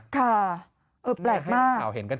ค่ะแปลกมาก